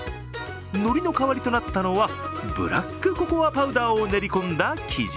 のりの代わりとなったのはブラックココアパウダーを練り込んだ生地。